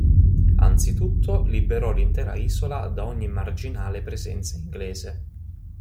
Anzitutto liberò l'intera isola da ogni marginale presenza inglese.